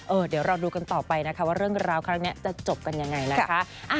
เดี๋ยวเราดูกันต่อไปนะคะว่าเรื่องราวครั้งนี้จะจบกันยังไงนะคะ